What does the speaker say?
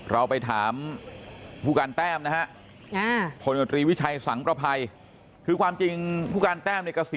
เราไปถามผู้การแต้มนะฮะพลตรีวิชัยสังประภัยคือความจริงผู้การแต้มเนี่ยเกษีย